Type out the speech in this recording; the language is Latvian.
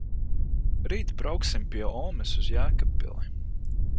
rīt brauksim pie omes uz Jēkabpili